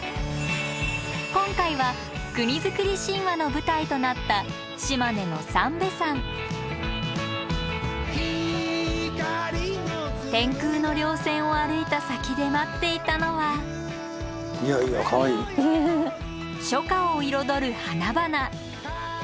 今回は国造り神話の舞台となった島根の天空の稜線を歩いた先で待っていたのは初夏を彩る花々。